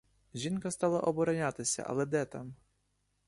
Жінка стала оборонятися, але де там!